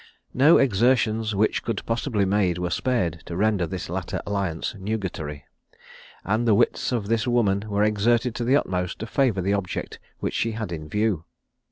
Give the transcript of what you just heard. No exertions which could possibly be made were spared to render this latter alliance nugatory; and the wits of this woman were exerted to the utmost to favour the object which she had in view.